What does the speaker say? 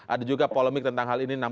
ada juga polemik tentang hal ini